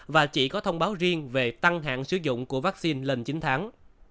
và chỉ có thông báo riêng về tăng hạn sử dụng của vaccine lên chín tháng